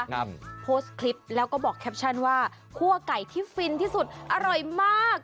นำโพสต์คลิปแล้วก็บอกแคปชั่นว่าคั่วไก่ที่ฟินที่สุดอร่อยมาก